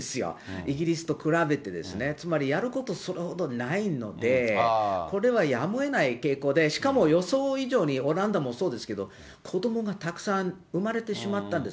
イギリスと比べてですね、つまりやることそれほどないので、これはやむをえない傾向で、しかも予想以上にオランダもそうですけど、子どもがたくさん生まれてしまったんです。